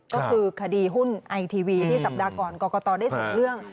ก็คือคดีหุ้นไอทีวีที่สัปดาห์ก่อนกรกตได้ส่งเรื่อง